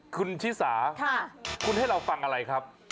คุณชิสาคุณให้เราฟังอะไรครับ